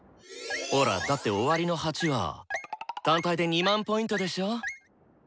ほらだって「終わりの鉢」は単体で２万Ｐでしょ？